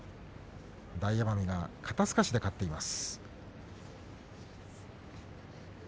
大奄美が肩すかしで勝っています。